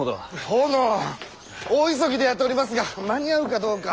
殿大急ぎでやっておりますが間に合うかどうか。